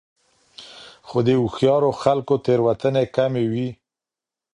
خو د هوښیارو خلکو تېروتنې کمې وي.